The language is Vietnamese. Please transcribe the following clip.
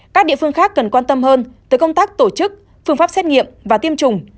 các địa phương khác cần quan tâm hơn tới công tác tổ chức phương pháp xét nghiệm và tiêm chủng